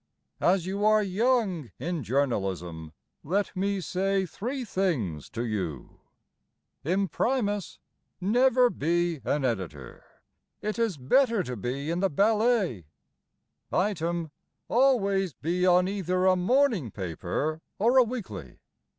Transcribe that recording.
As you are young in journalism, Let me say three things to you: Imprimis, never be an Editor, It is better to be in the ballet; Item, always be on either a morning paper or a weekly.